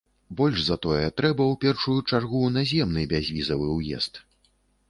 Больш за тое, трэба ў першую чаргу наземны бязвізавы ўезд.